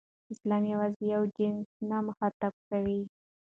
اسلام یوازې یو جنس نه مخاطب کوي.